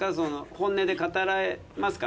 本音で語らえますか？